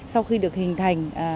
sau khi được hình thành